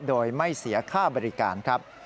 โดยไม่เสียค่าบริการครับ